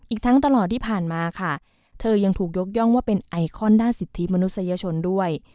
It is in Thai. อีกทั้งตลอดที่ผ่านมาค่ะเธอยังถูกยกย่องว่าเป็นไอคอนด้านสิทธิมนุษยชนด้วย